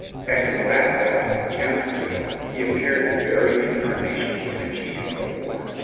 At his last battle, Chancellorsville, he appeared the very in carnation of the genius of war.